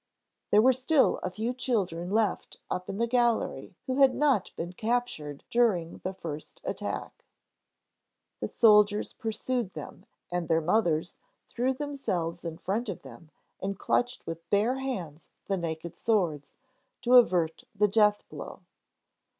There were still a few children left up in the gallery who had not been captured during the first attack. The soldiers pursued them and their mothers threw themselves in front of them and clutched with bare hands the naked swords, to avert the death blow.